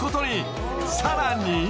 ［さらに］